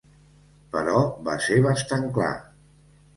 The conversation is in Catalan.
Però va ser bastant clar.